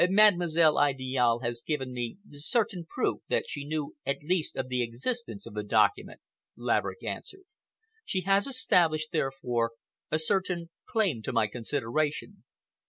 "Mademoiselle Idiale has given me certain proof that she knew at least of the existence of this document," Laverick answered. "She has established, therefore, a certain claim to my consideration.